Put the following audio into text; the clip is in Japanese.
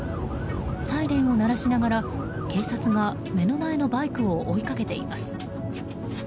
サイレンを鳴らしながら警察が目の前のバイクを追いかけています。